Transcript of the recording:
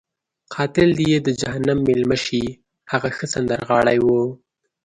قاتل دې یې د جهنم میلمه شي، هغه ښه سندرغاړی وو.